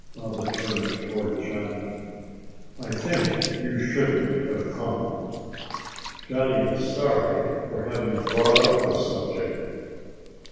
Baba turned toward Johnny. "I think you shouldn't have come." Johnny was sorry for having brought up the subject.